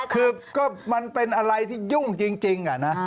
คือก็มันเป็นอะไรที่ยุ่งจริง